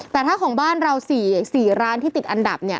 แต่ถ้าของบ้านเรา๔ร้านที่ติดอันดับเนี่ย